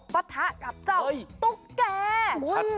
แล้วปะทะกับเจ้าตุ๊กแก